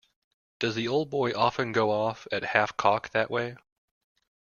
Does the old boy often go off at half-cock that way.